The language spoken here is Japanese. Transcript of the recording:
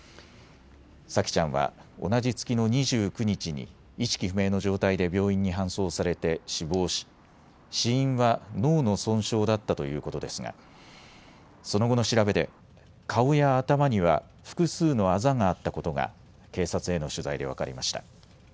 沙季ちゃんは同じ月の２９日に意識不明の状態で病院に搬送されて死亡し死因は脳の損傷だったということですがその後の調べで顔や頭には複数のあざがあったことが警察への取材で分かりました。